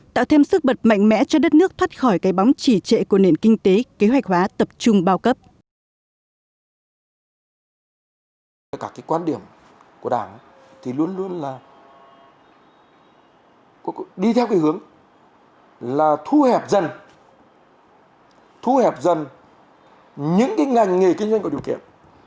tạo thêm sức bật mạnh mẽ cho đất nước thoát khỏi cái bóng chỉ trệ của nền kinh tế kế hoạch hóa tập trung bao cấp